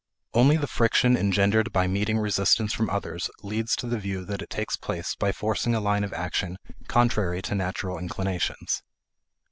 Only the friction engendered by meeting resistance from others leads to the view that it takes place by forcing a line of action contrary to natural inclinations.